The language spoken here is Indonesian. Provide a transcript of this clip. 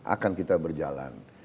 akan kita berjalan